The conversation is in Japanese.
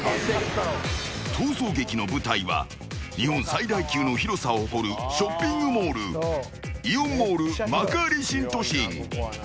逃走劇の舞台は日本最大級の広さを誇るショッピングモールイオンモール幕張新都心。